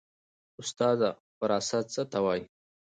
استاده وراثت څه ته وایي